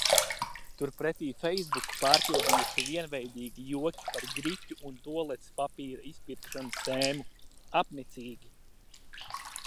Turpretī feisbuku pārpildījuši vienveidīgi joki par griķu un tualetes papīra izpirkšanas tēmu. Apnicīgi.